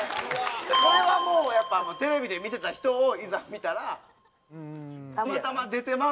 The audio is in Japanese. それはもうやっぱテレビで見てた人をいざ見たらたまたま出てま